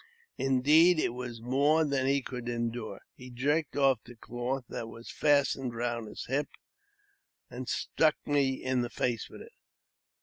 Indeed, it was more than he could endure. He jerked off the cloth that was fastened round his hips, and struck me in the face with it.